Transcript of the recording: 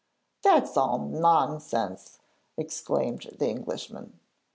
'That's all nonsense!' exclaimed the Englishman.